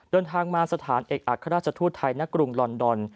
เดินทางมาสถานเอกอัครราชทูตไทยณกรุงลอนดอน